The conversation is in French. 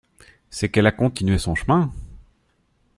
C’est qu’elle a continué son chemin.